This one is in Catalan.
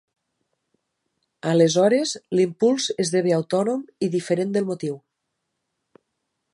Aleshores, l'impuls esdevé autònom i diferent del motiu.